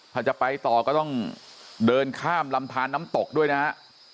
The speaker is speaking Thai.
ถ้าจะไปต่อก็ต้องเดินข้ามลำทานน้ำตกด้วยนะฮะ